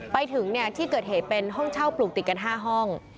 ไปถึงที่เกิดเหตุเป็นห้องเช่าปลูกติดกัน๕ห้อง